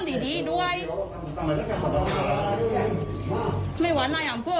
นี่ไม่ใช่สูงทางนะว่าทำแน่งอะไร